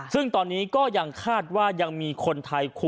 ซึ่งตอนนี้ก็ยังคาดว่ายังมีคนไทย